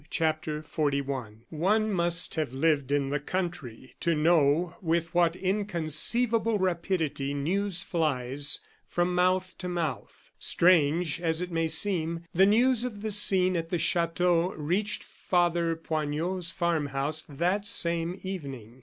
CHAPTER XLI One must have lived in the country to know with what inconceivable rapidity news flies from mouth to mouth. Strange as it may seem, the news of the scene at the chateau reached Father Poignot's farm house that same evening.